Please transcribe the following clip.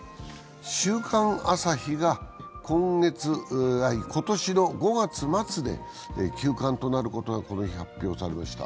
「週刊朝日」が今年の５月末で休刊となることがこの日発表されました。